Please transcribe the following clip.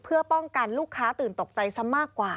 เพื่อป้องกันลูกค้าตื่นตกใจซะมากกว่า